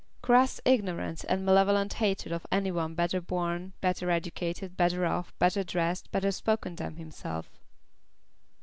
"Crass ignorance and malevolent hatred of everyone better born, better educated, better off, better dressed, better spoken than himself."